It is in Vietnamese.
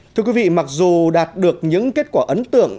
thưa quý vị mặc dù đạt được những kết quả ấn tượng